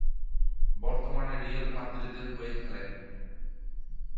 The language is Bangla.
বর্তমানে রিয়াল মাদ্রিদের হয়ে খেলেন।